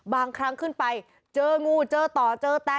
บางครั้งขึ้นไปเจองูเจอต่อเจอแต่